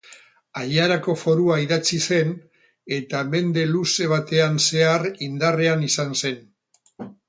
Aiarako forua idatzi zen eta mende luze batean zehar indarrean izan zen.